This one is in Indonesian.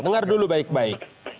dengar dulu baik baik